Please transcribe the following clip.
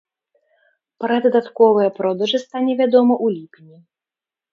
Пра дадатковыя продажы стане вядома ў ліпені.